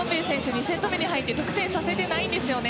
２セット目に入って得点させてないんですよね。